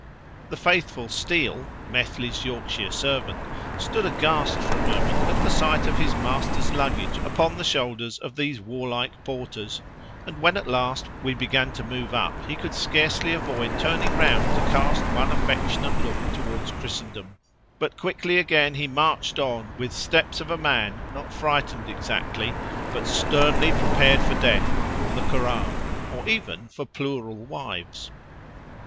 The faithful Steel (Methley's Yorkshire servant) stood aghast for a moment at the sight of his master's luggage upon the shoulders of these warlike porters, and when at last we began to move up he could scarcely avoid turning round to cast one affectionate look towards Christendom, but quickly again he marched on with steps of a man, not frightened exactly, but sternly prepared for death, or the Koran, or even for plural wives.